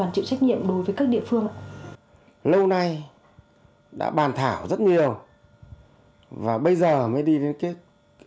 chịu trách nhiệm đối với các địa phương lâu nay đã bàn thảo rất nhiều và bây giờ mới đi đến kết